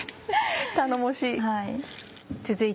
頼もしい。